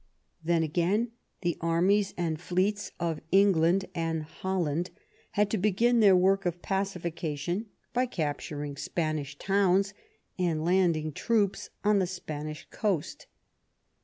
Then, again, the armies and fleets of England and Holland had to begin their work of pacification by capturing Spanish towns and landing troops on the Spanish coast.